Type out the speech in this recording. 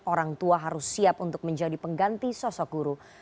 orang tua harus siap untuk menjadi pengganti sosok guru